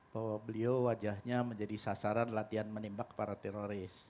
bahwa beliau wajahnya menjadi sasaran latihan menembak para teroris